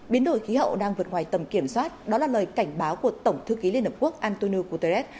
biến đổi khí hậu đang vượt ngoài tầm kiểm soát đó là lời cảnh báo của tổng thư ký liên hợp quốc antonio guterres